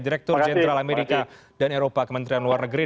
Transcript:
direktur jenderal amerika dan eropa kementerian luar negeri